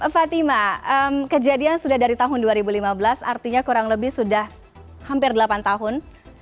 fatima kejadian sudah dari tahun dua ribu lima belas artinya kurang lebih sudah hampir delapan tahun